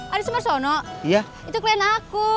ari sumersono iya itu klien aku